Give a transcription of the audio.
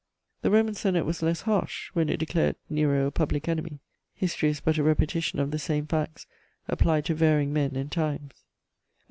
The Roman Senate was less harsh when it declared Nero a public enemy: history is but a repetition of the same facts applied to varying men and times.